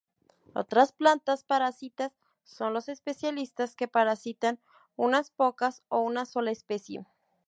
Otras plantas parásitas son los especialistas que parasitan unas pocas o una sola especie.